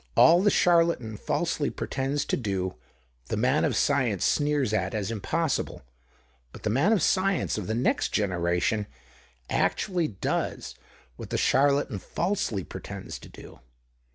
AVliat the charlatan falsely pretends to do, the man of science sneers at as impossible ; but the man of science of the next generation actually does what that charlatan falsely pretends to do.